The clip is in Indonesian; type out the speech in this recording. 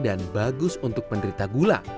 dan bagus untuk penderita gula